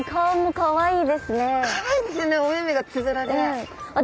かわいいですよねお目々がつぶらで。